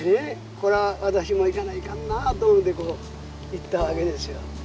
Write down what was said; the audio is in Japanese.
これは私も行かないかんなと思って行ったわけですよ。